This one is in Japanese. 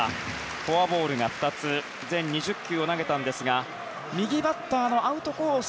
フォアボールが２つ全２０球を投げたんですが右バッターのアウトコース